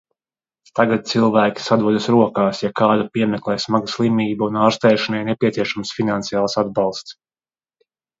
Tagad cilvēki sadodas rokās, ja kādu piemeklē smaga slimība un ārstēšanai nepieciešams finansiāls atbalsts.